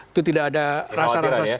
itu tidak ada rasa rasanya